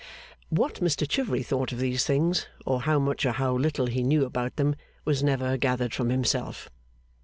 What Mr Chivery thought of these things, or how much or how little he knew about them, was never gathered from himself.